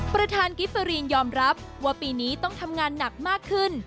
ประธานกิฟเฟอรีนยอมรับว่าปีนี้ต้องทำงานหนักมากขึ้น